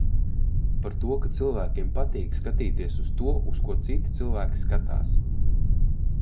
Par to, ka cilvēkiem patīk skatīties uz to, uz ko citi cilvēki skatās.